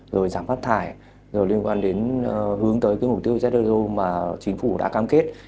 rồi giảm phát thải rồi liên quan đến hướng tới mục tiêu zozo mà chính phủ đã cam kết